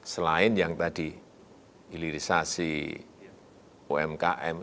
selain yang tadi hilirisasi umkm